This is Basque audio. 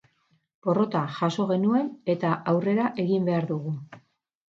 Porrota jaso genuen eta aurrera egin behar dugu.